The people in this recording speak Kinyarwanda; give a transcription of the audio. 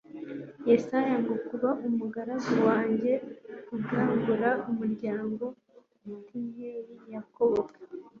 Yesaya ngo : "Kuba umugaragu wanjye, ugakangura umuryango tva Yakobo,